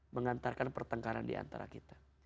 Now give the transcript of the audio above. mengantarkan pertengkaran diantara kita